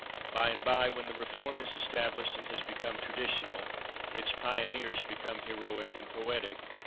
By and by, when the reform is established and has become traditional, its pioneers become heroic and poetic.